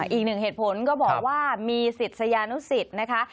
อีกหนึ่งเหตุผลก็บอกว่ามีศิษยานุสิตนะคะ